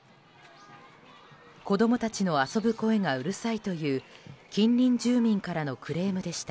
子供たちの遊ぶ声がうるさいという近隣住民からのクレームでした。